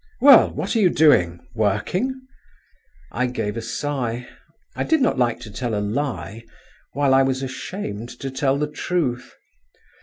Well, what are you doing? working?" I gave a sigh. I did not like to tell a lie, while I was ashamed to tell the truth.